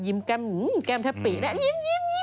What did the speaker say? ยิ้มแก้มแก้มแทบปีกแน่ยิ้ม